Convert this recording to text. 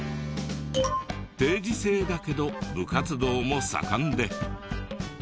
定時制だけど部活動も盛んで。